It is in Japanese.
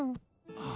ああ。